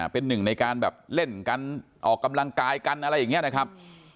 เป็นหนึ่งในการแบบเล่นกันออกกำลังกายกันอะไรอย่างนี้นะครับ